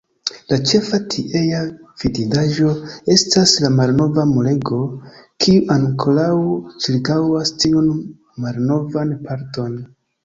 La ĉefa tiea vidindaĵo estas la malnova Murego, kiu ankoraŭ ĉirkaŭas tiun malnovan parton.